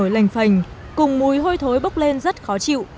rồi lành phành cùng mùi hôi thối bốc lên rất khó chịu